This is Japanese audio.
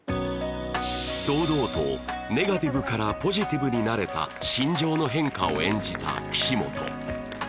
堂々とネガティブからポジティブになれた心情の変化を演じた岸本